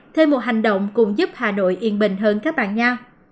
thêm một hành động cùng giúp hà nội yên bình hơn các bạn nhau